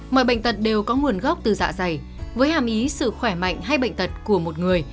mọi bệnh tật đều có nguồn gốc từ dạ dày với hàm ý sự khỏe mạnh hay bệnh tật của một người